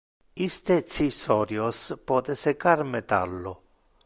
Iste cisorios pote secar metallo.